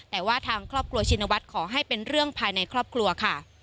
แต่ว่าทางครอบครัวชินวัฒน์ขอให้เป็นเรื่องภายในครอบครัวค่ะ